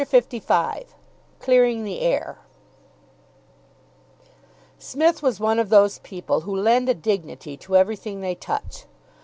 CHAPTER LV CLEARING THE AIR Psmith was one of those people who lend a dignity to everything they touch.